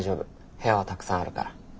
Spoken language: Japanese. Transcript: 部屋はたくさんあるから。